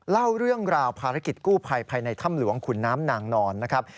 เล่าเรื่องราวภารกิจกู้ภัยภายในถ้ำหลวงขุนน้ำนางนอนนะครับ